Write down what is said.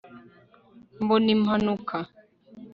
mbona impanuka